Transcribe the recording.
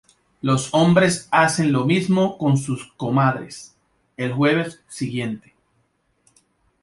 Los hombres hacen lo mismo con sus comadres el jueves siguiente.